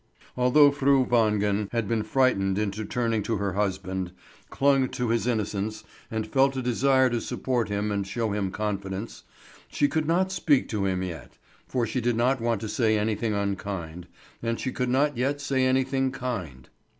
Although Fru Wangen had been frightened into turning to her husband, clung to his innocence, and felt a desire to support him and show him confidence, she could not speak to him yet; for she did not want to say anything unkind, and she could not yet say anything kind.